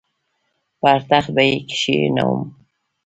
پر تخت به یې کښېنوم.